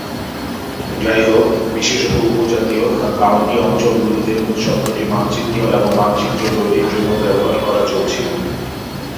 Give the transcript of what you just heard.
যাইহোক, বিশেষত উপ-জাতীয় বা কাউন্টি অঞ্চলগুলিতে শব্দটি মানচিত্র এবং মানচিত্র তৈরির জন্য ব্যবহার করা চলছিল।